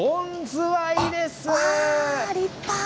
立派。